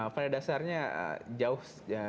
pada dasarnya jauh